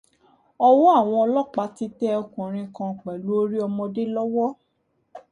Ọwọ́ àwọn ọlọ́pàá ti tẹ ọkùnrin kan pẹ̀lú orí ọmọdé lọ́wọ́.